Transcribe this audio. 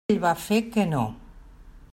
Ell va fer que no.